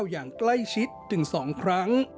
อย่างใกล้ชิดถึง๒ครั้ง